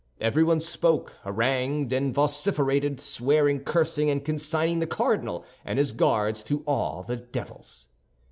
Everyone spoke, harangued, and vociferated, swearing, cursing, and consigning the cardinal and his Guards to all the devils.